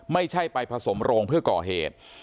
ไม่ใช่ไปผสมโรงเพื่อก่อเหตุ